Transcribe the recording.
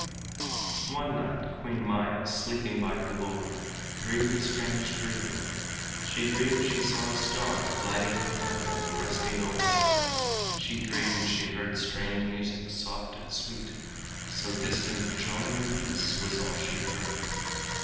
One night Queen Maya, sleeping by her lord, Dreamed a strange dream; she dreamed she saw a star Gliding from heaven and resting over her; She dreamed she heard strange music, soft and sweet, So distant "joy and peace" was all she heard.